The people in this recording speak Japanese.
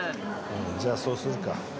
じゃあそうするか。